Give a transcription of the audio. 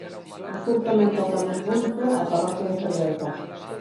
No sur tamén toca nun punto a parroquia de Fervenzas.